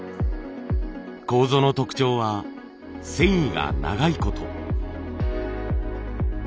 楮の特徴は繊維が長いこと。